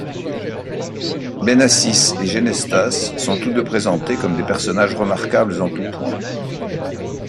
Benassis et Genestas sont tous deux présentés comme des personnages remarquables en tout point.